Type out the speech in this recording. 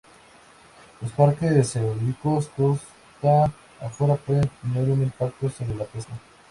Los parques eólicos costa afuera pueden tener un impacto sobre la pesca.